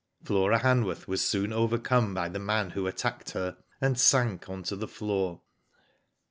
Flora Han worth was soon overcome by the man who attacked her and sank on to the floor.